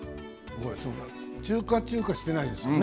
中華中華していないですね